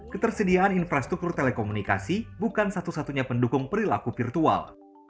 ketersediaan infrastruktur telekomunikasi bukan satu satunya pendukung perilaku virtual